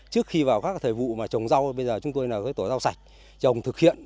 trước khi vào các thời vụ mà trồng rau bây giờ chúng tôi là tổ rau sạch trồng thực hiện